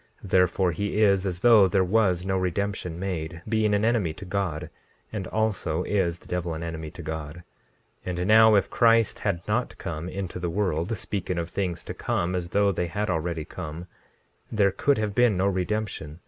Therefore, he is as though there was no redemption made, being an enemy to God; and also is the devil an enemy to God. 16:6 And now if Christ had not come into the world, speaking of things to come as though they had already come, there could have been no redemption.